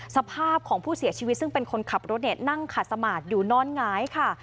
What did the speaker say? สภาพของผู้เสียชีวิตซึ่งเป็นคนขับรถนั่งขาดสมาร์ทอยู่นอนหงายค่ะ